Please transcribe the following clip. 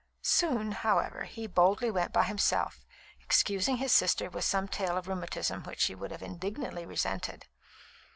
Soon, however, he boldly went by himself, excusing his sister with some tale of rheumatism which she would have indignantly resented.